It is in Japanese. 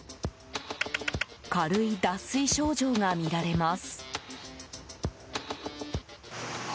軽い脱水症状が見られます。